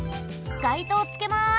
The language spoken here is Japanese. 街灯つけます。